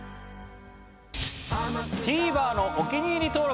ＴＶｅｒのお気に入り登録